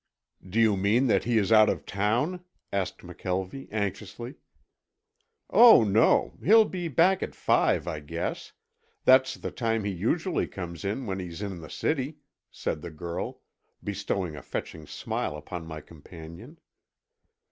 "Do you mean that he is out of town?" asked McKelvie anxiously. "Oh, no. He'll be back at five, I guess. That's the time he usually comes in when he's in the city," said the girl, bestowing a fetching smile upon my companion.